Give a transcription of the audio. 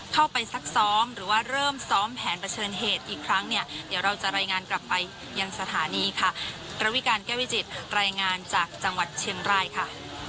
ซักซ้อมหรือว่าเริ่มซ้อมแผนเผชิญเหตุอีกครั้งเนี่ยเดี๋ยวเราจะรายงานกลับไปยังสถานีค่ะระวิการแก้วิจิตรายงานจากจังหวัดเชียงรายค่ะ